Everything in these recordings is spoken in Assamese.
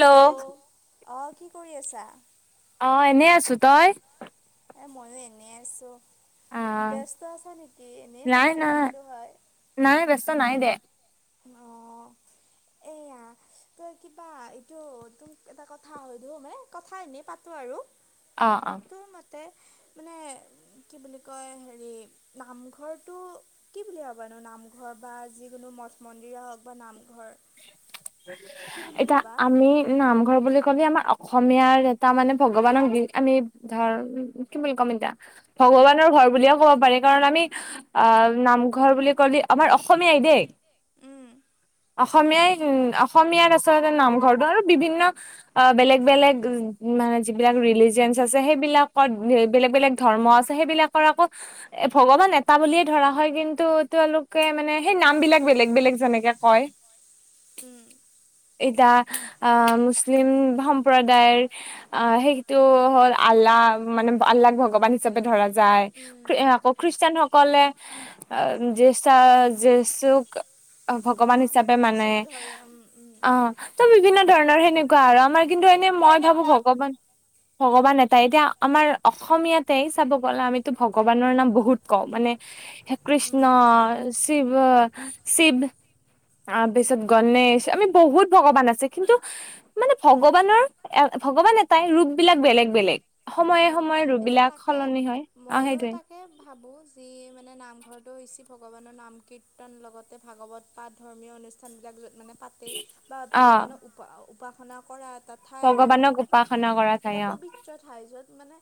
হেল্ল' অ কি কৰি আছা অ এনেই আছো তই এ ময়ো এনে আছো অ ব্যস্ত আছা নিকি এনেই নাই কথা নাই পাতিলো হয় নাই ব্যস্ত নাই দে অ এই তই কিবা এইটো তোক এটা কথা সোধোঁ মানে কথা এনেই পাতোঁ আৰু অ অ তে মানে কি বুলি কয় হেৰি নামঘৰটো কি বুলি ভাবা নামঘৰ বা যিকোনো মঠ মন্দিৰে হওক বা নাম এতিয়া ভাবা আমি নামঘৰ বুলি কলে আমাৰ অসমীয়াৰ এটা মানে ভগৱানক দি আমি ধৰ কি বুলি ক'ম এতিয়া ভগৱানৰ ঘৰ বুলিয়ে ক'ব পাৰি কাৰণ আমি আহ নামঘৰ বুলি কলে আমাৰ অসমীয়াই দেই উম অসমীয়াই উ অসমীয়াৰ আচলতে নামঘৰটো আৰু বিভিন্ন বেলেগ বেলেগ মানে যিবিলাক ৰিলিজিয়েনছ আছে সেইবিলাকত বেলেগ বেলেগ ধৰ্ম আছে সেইবিলাকৰ আকৌ এ ভগৱান এটা বুলিয়ে ধৰা হয় কিন্তু তেওঁলোকে মানে সেই নাম বিলাক বেলেগ বেলেগ যেনেকে কয় উম। [unintelligible] মুছলিম সম্প্ৰদায়ৰ সেইটো হ'ল আল্লা। অ মানে আল্লাক ভগৱান হিচাপে ধৰা যাই, উম খ্ৰী আকৌ খ্ৰীষ্টানসকলে অ [unintelligible] জিচুক ভগৱান হিচাপে মানে যীশুক ধৰে উম। অ ত বিভিন্ন ধৰণৰ সেনেকুৱা আৰু আমাৰ কিন্তু এনে মই ভাবো ভগৱান ভগৱান এটাই এতিয়া আমাৰ অসমীয়াতে চাব গ'লে আমিতো ভগৱানৰ নাম বহুত কওঁ মানে কৃষ্ণ উম শিৱ শিৱ। তাৰপিছত গণেশ আমি বহুত ভগৱান আছে কিন্তু মানে ভগৱানৰ এ ভগৱান এটাই ৰূপবিলাক বেলেগ বেলেগ সময়ে অঁ সময়ে ৰূপ এতিয়া বিলাক তাকে সলনি হয় অ ময়ো সেইটোৱে তাকে ভাবো যি মানে নামঘৰটো ৰিচিপ ভগৱানৰ নাম কীৰ্তন লগতে ভাগৱত পাঠ ধৰ্মীয় অনুষ্ঠানবিলাক য'ত মানে পাতে বা অ ভগৱানক উপ উপাসনা কৰাত ভগৱানক উপাসনা কৰা ঠাই অ। পবিত্ৰ ঠাই য'ত মানে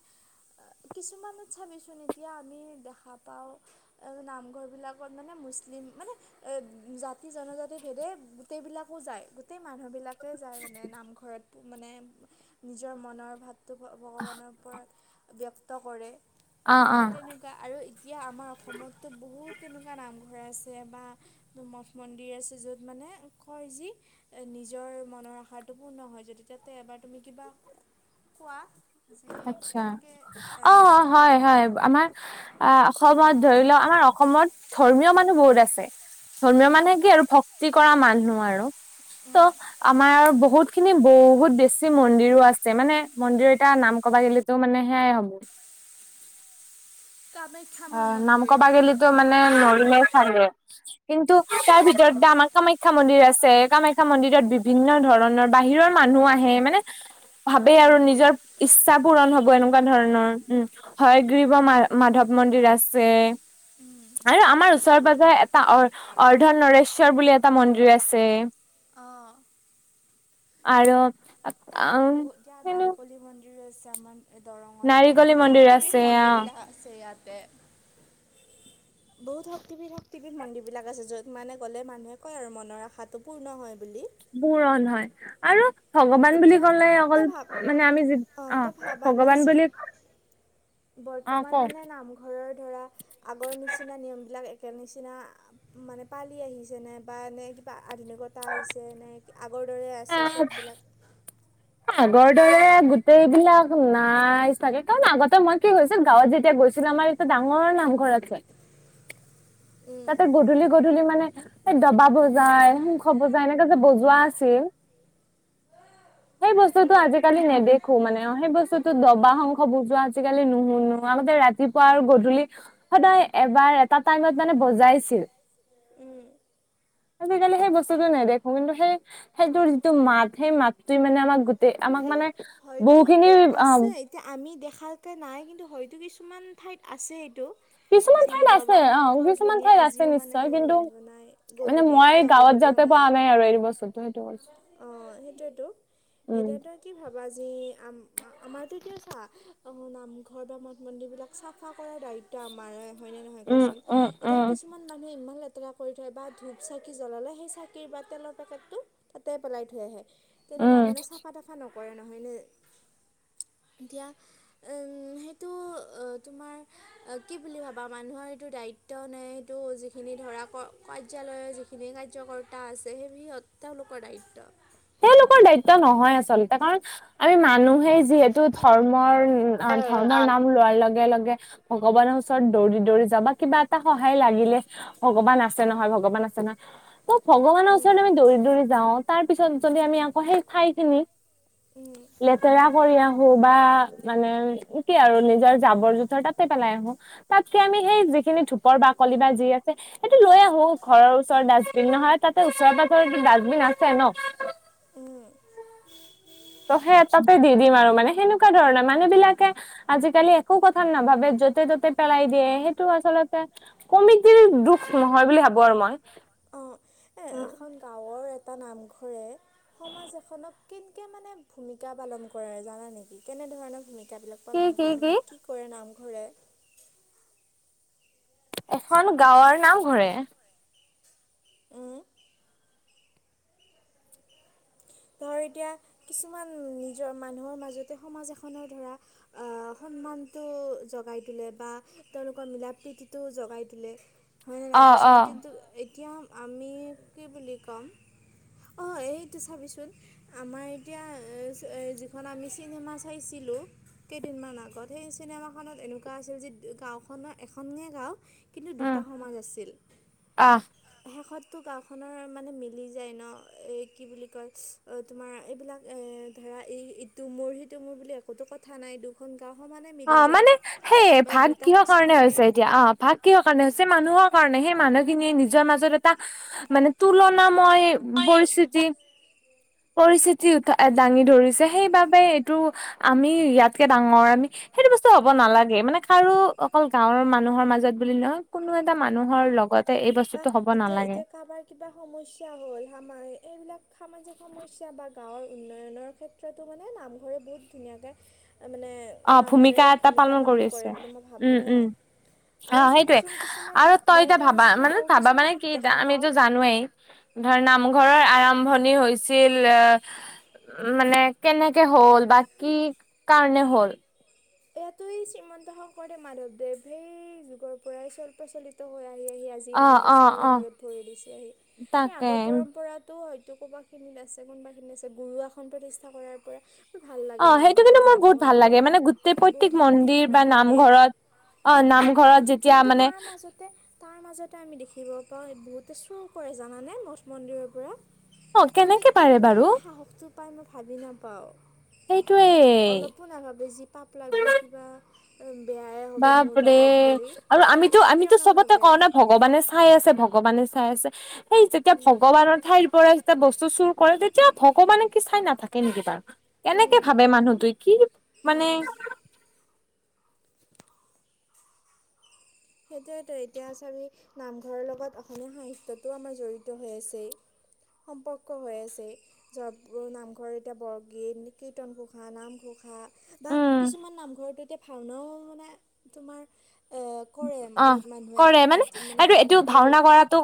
কিছুমানত চাবিচোন এতিয়া আমি দেখা পাওঁ নামঘৰবিলাকত মানে মুচ মানে জাতি জনজাতি ভেদে গোটেইবিলাকো যায় গোটেই মানুহবিলাক তাতে যায় মানে নামঘৰত মানে নিজৰ মনৰ ভাৱটো ভগৱানক ব্যক্ত কৰে অ অ বা তেনেকুৱা আৰু এতিয়া আমাৰ অসমততো বহুত তেনেকুৱা নামঘৰ আছে বা মঠ মন্দিৰ আছে য'ত মানে মানে কয় যি নিজৰ মনৰ আশাটো পূৰ্ণ হয় যদি তাতে এবাৰ তুমি কিবা কোৱা যি আতছা কেনেকে এ অ কি হয় হয় আমাৰ অ অসমত ধৰি লওক আমাৰ অসমত ধৰ্মীয় মানুহ বহুত আছে। ধৰ্মীয় মানে কি আৰু ভক্তি কৰা মানুহ আৰু ত' আমাৰ বহুত খিনি বহুত বেছি মন্দিৰো আছে মানে মন্দিৰ এটা নাম [unintelligible] মানে সেয়াই হ'ব। কামাখ্যা অ, মা নাম মন্দিৰ কবাগেলিতো মানে নৰিমে চাগে কিন্তু তাৰ ভিতৰত অ বা আমাৰ কামাখ্যা মন্দিৰ আছে। কামাখ্যা মন্দিৰত বিভিন্ন ধৰণৰ বাহিৰৰ মানুহ আহে মানে ভাবেই আৰু নিজৰ ইচ্ছা পূৰণ হ'ব এনেকুৱা ধৰণৰ উম, হয় গ্ৰীব মা মাধৱ মন্দিৰ আছে। আৰু আমাৰ ওচৰে পাজৰে এটা অ, অৰ্ধ নৰেশ্বৰ বুলি এটা মন্দিৰ আছে। অ', আৰু তাকেতো অ'- বহুত দিয়া নাৰিকলী কিনো মন্দিৰো আছে আমাৰ দৰঙত। এতিয়া বহুত মন্দিৰ শক্তিপীঠ আছে অ মন্দিৰবিলাক আছে ইয়া তে। বহুত শক্তিপীঠ - শক্তিপীঠ মন্দিৰবিলাক আছে, য'ত মানে গ'লে মানুহে কয় আৰু মনৰ আশাটো পূৰ্ণ হয় বুলি। পূৰণ হয় আৰু ভগৱান বুলি এতিয়া ক'লে অকল তই ভাব মানে আমি যি- অ' তই ভাবানে ভগৱান যি বুলি অ বৰ্তমান কওঁ মানে নামঘৰৰ ধৰা আগৰ নিচিনা নিয়মবিলাক একে নিচিনা মানে পালি আহিছেনে বা নে কিবা আধুনিকতা আহিছে নে আগৰ দৰে আছে চববিলাক আগৰ দৰে গোটেইবিলাক নাই চাগে, কাৰণ আগতে মই কি হৈছে গাঁৱত যেতিয়া গৈছিলো আমাৰ এটা ডাঙৰ নামঘৰ আছে উম, তাতে গধূলি গধূলি মানে ডবা বজায়, শংখ বজায়, এনেকে যে বজোৱা আছিল [inaudible] সেই বস্তুটো উম, আজিকালি নেদেখো মানে, অ সেই বস্তুতো ডবা, শংখ বজোৱা আজিকালি নোহোৱা ৰাতিপুৱা আৰু গধূলি সদায় এবাৰ এটা টাইমত মানে বজাইছিল। [inaudible] আজিকালি সেই বস্তুটো নেদেখো, কিন্তু সেই সেইটোৰ যিটো মাত, সেই মাতটোৱে মানে আমাক গোটেই, আমাক কিন্তু মানে হয়তো বহুখিনি এ অ আছে, এতিয়া আমি দেখ খাওঁতে নাই, কিন্তু হয়তো কিছুমান ঠাইত আছে এইটো কিছুমান যি ঠাইত আছে ডবা অ শংখৰ কিছুমান ধ্বনি ঠাইত আছে আজিও মানে নিশ্চয় ৰজনজনাই গধূলি, পুৱা গধূলি। তাতে পাওঁ আমি আৰু এইটো বস্তু, তুমি [unintelligible] অ' সেইটোৱেটো, এতিয়া তই কি ভাব আজি আমাৰতো এতিয়া চা, নামঘৰ বা মঠ মন্দিৰ বিলাক চাফা কৰাৰ দায়িত ত আমাৰে, হয় নে নহয় ক উম চোন, উম এতিয়া উম কিছুমান মানুহে ইমান লেত তেৰা কৰি থয়, বা ধূপ চাকি জ্বলালে সেই চাকি বা তেলৰ পেকেটটো তাতে পেলাই থৈ আহে। তেনেকুৱা উম মানে চাফা তাফা নকৰে নহয়নে এতিয়া সেইটো, তোমাৰ কি বুলি ভাবা মানুহৰ এইটো দায়িত ত নে সেইটো যিখিনি ধৰা ক কাৰ্যালয়ৰ যিখিনি কাৰ্যকৰ্তা আছে, সেই‌ সিহঁত লোকৰ দায়িত্ব তেওঁলোকৰ দায়িত্ব নহয় আচলতে কাৰণ আমি মানুহ সেই যিহেতু ধৰ্মৰ ধৰ্মৰ নাম লোৱাৰ লগে লগে ভগৱানৰ ওচৰত দৌৰি দৌৰি যাওঁ বা কিবা এটা সহায় লাগিলে ভগৱান আছে নহয় ভগৱান আছ ছেনা ত ভগৱানৰ উম ওচৰৰত আমি দৌৰি দৌৰি যাওঁ তাৰ পিছত যদি আমি আকৌ সেই ঠাই খিনি উম, লেতেৰা কৰি আহো বা মানে কি আৰু নিজৰ জাবৰ জোথৰ তাতে পেলাই আহো তাতকে আমি আমি সেই যিখিনি ধুপৰ বাকলি বা যি আছে সেইটো লৈ আহো ঘৰৰ ওচৰৰ ডাষ্টবিন নহয় তাতে ওচৰ পাছৰ টো ডাষ্টিন আছে ন উম ত সেই তাতে দি দিম আৰু মানে সেনেকুৱা ধৰণে মানুহ বিলাকে আজিকালি একো কথাত নাভাবে য'তে ত'তে পেলাই দিয়ে সেইটো আচলতে কমিটিৰ দুখ নহয় বুলি ভাবো আৰু ময় অঁ এ উম এখন গাঁৱৰ এটা নামঘৰে সমাজ এখনক কেনকে মানে ভূমিকা পালন কৰে জানা নেকি কেনে নে ধৰণৰ ভূমিকাবিলাক পালন কৰে মানে কি কৰে নামঘৰে এখন গাঁৱৰ নামঘৰে উম ধৰ এতিয়া কিছুমান নিজৰ মানুহৰ মাজতে সমাজ এখনৰ ধৰা আহ সন্মানটো জগাই দিলে বা তেওঁলোকৰ মিলা প্ৰীতিটো জগাই তুলে হয় নাই অ নাই অ কচোন কিন্তু এই এতিয়া আমি কি বুলি ক'ম অ, এইটো চাবিচোন আমাৰ এতিয়া যিখন আমি চিনেমা চাইছিলোঁ কেইদিনমান আগত সেই চনে চিনেমাখনত এনেকুৱা আছিল যে গাওখনৰ এখনে গাও কিন্তু উম দুটা সমাজ আছিল আহ শেষত তো গাঁওখনৰ মানে মিলি যায় ন এই কি বুলি কয় অ, তোমাৰ এইবিলাক এ ধৰা এই ইটো মোৰ সিটো মোৰ বুলি একোতো কথা নাই দুখন গাঁও সমানে অ, মিলি যায় মানে সেই মানে ভাগ দুটা কিহৰ কাৰণে চুবুৰী হৈছে এতিয়া অ, ভাগ কিহৰ কাৰণে হৈছে মানুহৰ কাৰণে সেই মানুহখিনিয়ে নিজৰ মাজত এটা মানে তুলনাময় পৰিস্থিতি পৰিস্থিতি উঠ দাঙি ধৰিছে সেইবাবে এইটো আমি ইয়াতকে ডাঙৰ আমি সেইটো বস্তু হ'ব অঁ নালাগে মানে কাৰো অকল গাঁৱৰ মানুহৰ মাজত বুলি নহয় কোনো এ অ, বা এতিয়া নালাগে এতিয়া কাৰোবাৰ কিবা সমস্যা হ'ল সাৰ এইবিলাক সামাজিক সমস্যা বা গাঁৱৰ উন্নয়নৰ ক্ষেত্ৰতো মানে নামঘৰে বহুত ধুনীয়াকৈ মানে অ নামঘৰে ভূমিকা এটা ভূমিকা কৰি পালন আছে কৰে বুলি মই উম ভাবোঁ হে। উম আৰু অ', সেইটোৱে চাবিচোন কিছুমান আৰু মই তই এতিয়া ভাবা মানে চাওঁ ভাবা মানে কিছুমানত কি এটা দেখা আমিটো পাওঁ জানোৱেই ধৰ ন ঘৰৰ আৰম্ভণি হৈছিল উ, মানে কেনেকে হ'ল বা কি কাৰণে হ'ল। এয়াতো এই শ্ৰীমন্ত শংকৰদেৱ, মাধৱদেৱ সেই যুগৰ পৰাই চ্ল-পচলিত হৈ আ [unintelligible] অ ইমান অ বছৰ অ মূৰত ভৰি দিছেহি, হেই আগৰ তাকে পৰম্পৰাটো ক'বা খিনিত আছে কোনোবা খিনিত আছে গুৰু আসন প্ৰতিষ্ঠা কৰাৰ পৰা মোৰ ভাল লাগে অ', সেইটো নামঘৰ কিন্তু মোৰ মঠ বহুত ভাল মন্দিৰ লাগে মানে বহুত [unintelligible] মন্দিৰ শান্তিপূৰ্ণ বা ঠাই দেই নামঘৰত অ', নামঘৰত যেতিয়া কিন্তু মানে তাৰ মাজতে তাৰ মাজতে আমি দেখিব পাওঁ বহুতে চুৰ কৰে জানানে মঠ মন্দিৰৰ পৰা। অ মানে পাৰে কেনেকে বাৰু সাহসটো পাই মই ভাবি নাপাও। সেইটোৱে অলপো নাভাবে যি পাপ লাগব কিবা উ বাপৰে আৰু আমিতো কেতিয়াও আমিতো চবতে নাভাবে কওঁ ন ভগৱানে চাই আছে ভগৱানে চাই আছে সেই যেতিয়া উম, ভগৱানৰ ঠাইৰ পৰা এটা বস্তু চুৰ কৰে তেতিয়া ভগৱানে কি চাই নাথাকে নেকি বাৰ কেনেকে উম, ভাবে মানুহটৱে কি মানে অঁ সেইটোৱটো এতিয়া চাবি নামঘৰৰ লগত অসমীয়া সাহিত্যটো আমাৰ জড়িত হৈ আছেই। সম্পৰ্ক হৈ আছে [unintelligible] নামঘৰ এতিয়া বৰগীত, কীৰ্তন ঘোষা নামঘোষা বা উম কিছুমান নামঘৰ এতিয়া ভাওনাও মানে তোমাৰ এ কৰে অ', বহুত মানুহে কৰে মানে উদ- এইটো এইটো ভাওনাটো ভাওনা কৰাটো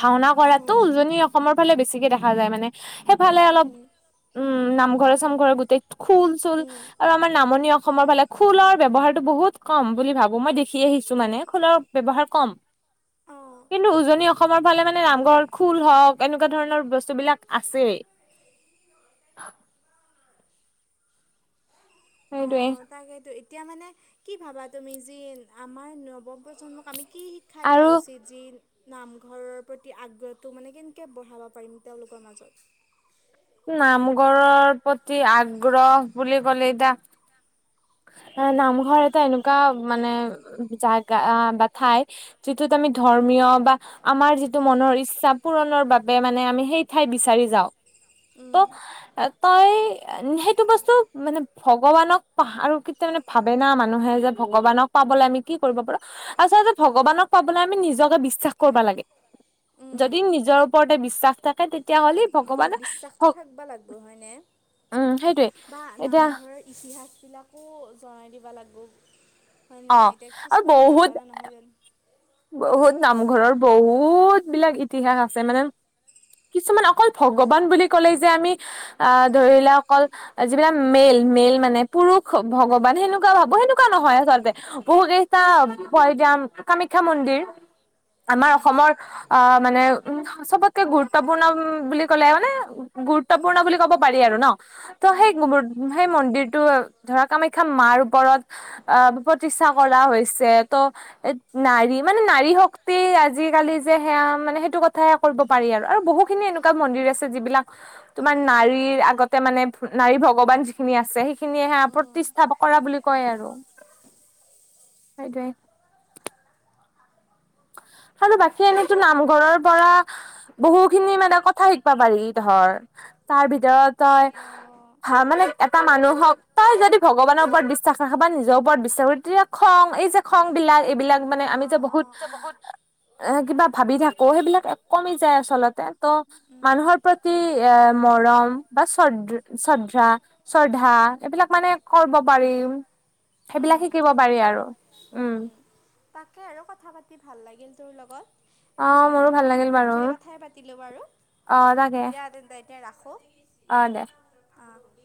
ভাওনা কৰাতো অঁ উজনি অসমৰ ফালে বেছিকে দেখা যায় মানে, সেইফালে অলপ উম, উম নামঘৰে চামঘৰে গোটেই খোল চুল উম, আৰু আমাৰ নামনি অসমৰ ফালে খুলৰ ব্যৱহাৰটো বহুত কম বুলি ভাবো মই দেখ দেখি আহিছো মানে খোলাৰ ব্যৱহাৰ কম অঁ কিন্তু উজনি অসমৰ ফালে মানে নামঘৰত খোল হওক এনেকুৱা ধৰণৰ বস্তুবিলাক আছেই [inaudible] সেইটোৱেই অ' তাকেতো এতিয়া মানে কি ভাবা তুমি যি আমাৰ নৱপ্ৰজন্মক আমি কি শিক্ষা দিয়া আৰু উচিত যি নামঘৰৰ প্ৰতি আগ্ৰহটো মানে কেনেকে বঢ়াব পাৰিম তেওঁলোকৰ মাজত নামঘৰৰ প্ৰতি আগ্ৰহ বুলি ক'লে এতিয়া [inaudible] অ' নামঘৰ এটা এনেকুৱা মানে জাগা বা ঠাই যিটোত আমি ধৰ্মী ধৰ্মীয় বা আমাৰ যিটো মনৰ ইচ্ছা পূৰণৰ বাবে মানে আমি সেই ঠাই বিচাৰি যাওঁ। উম, ত' তই সেইটো বস্তু মানে ভগৱানক [unintelligible] আৰু কেতিয়া মানে ভাবে না মানুহে যে ভগৱানক পাবলৈ আমি কি কৰিব পাৰো, আচলতে ভগৱানক পাবলে আমি নিজকে বিশ্বাস কৰবা লাগে, উম, যদি নিজৰ ওপৰতে বিশ্বাস থাকে তেতিয়া হলি অ' বিশ্বাসটো থাকবা লাগবো হয়নে, উম সেইটোৱে বা এতিয়া নামঘৰৰ ইতিহাস বিলাক আকৌ জনাই দিবা লাগবো, হয় নে অ নাই এতিয়া আৰু কিছুমানে বহুত নাজানে নহয় জান বহুত নামঘৰৰ বহুত বিলাক ইতিহাস আছে মানে কিছুমান অকল ভগৱান বুলি ক'লেই যে আমি এ ধৰি লোৱাঅকল যিবিলাক মেল মেইল মানে পুৰুষ ভগৱান সেনেকুৱা ভাবো সেনেকুৱা নহয় আচলতে বহু কেইটা প যাম কামাখ্যা মন্দিৰ। আমাৰ উম, অসমৰ অঁ মানে উ চবতকে গুৰুত্বপূৰ্ণ বুলি ক'লে মানে গুৰুত্বপূৰ্ণ বুলি ক'ব পাৰি আৰু ন' ত' সেই উম, গু সেই মন্দিৰটো ধৰা কামাখ্যা মা ওপৰত অ' প্ৰতিষ্ঠা কৰা হৈছে ত নাৰী মানে নাৰী শক্তি আজিকালি যে সেয়া মানে সেইটো কথাই কৰিব পাৰি আৰু আৰু বহুখিনি এনেকুৱা মন্দিৰ আছে যিবিলাক তোমাৰ নাৰীৰ আগতে মানে ফু নাৰী ভগৱান যিখিনি আছে সেইখিনি সেয়া উম। প্ৰতিষ্ঠা কৰা বুলি কয় আৰু। [unintelligible] সেই টোৱেই আৰু বাকী এনেইতু নামঘৰৰ পৰা বহু খিনি মানে, কথা শিকবা পাৰি ধৰ, তাৰ ভিতৰত তই অ', ভা মানে এটা মানুহক তই যদি ভগৱানৰ ওপৰত বিশ্বাস ৰাখা বা নিজৰ ওপৰত বিশ্বাস ৰাখা তেতিয়া খ ং এই যে খং বিলাক এইবিলাক মানে আমি অ', যে বহু অ', যে বহুত ভাবি থাকো সেইবিলাক এ কমি যায় আচলতে ত' মানুহৰ প্ৰতি এ মৰম বা চৰধ চতৰ্ধা শ্ৰদ্ধা এইবিলাক মানে কৰব পাৰিম। সেইবিলাক উম, শিক সেইটোৱেতো, উম। তাকে আৰু কথা পাতি ভাল লাগিল তোৰ লগত। অ আঁ মোৰো ভাল লাগিল বহুত বাৰু খিনি কথাই পাতিলো বাৰু। দিয়া তেন্তে এতিয়া ৰাখো। অঁ দে। অ'।